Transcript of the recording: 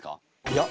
いや。